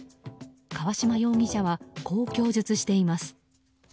川嶋容疑者はこう供述しています。